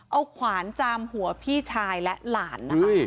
เอาขวานจามหัวพี่ชายและหลานนะคะ